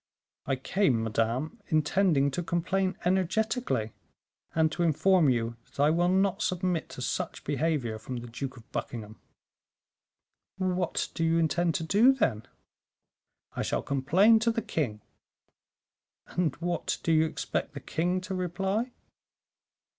"I came, madame, intending to complain energetically, and to inform you that I will not submit to such behavior from the Duke of Buckingham." "What do you intend to do, then?" "I shall complain to the king." "And what do you expect the king to reply?"